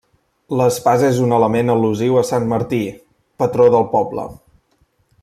L'espasa és un element al·lusiu a sant Martí, patró del poble.